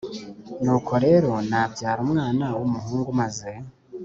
Nuko rero nabyara umwana w umuhungu maze